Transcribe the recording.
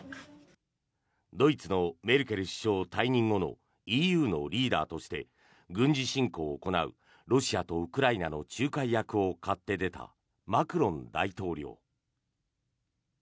ドイツのメルケル首相退任後のＥＵのリーダーとして軍事侵攻を行うロシアとウクライナの仲介役を買って出たマクロン大統領。